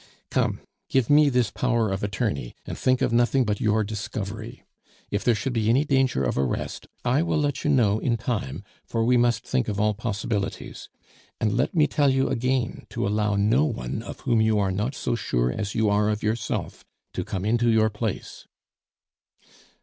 "Come, give me this power of attorney, and think of nothing but your discovery. If there should be any danger of arrest, I will let you know in time, for we must think of all possibilities. And let me tell you again to allow no one of whom you are not so sure as you are of yourself to come into your place."